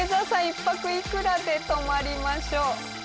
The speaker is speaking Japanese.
一泊いくらで泊まりましょう？